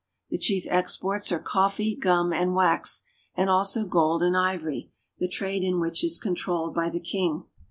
The chief exports are coffee, gum, and wax, and also gold and ivory, the trade in which is controlled by the king.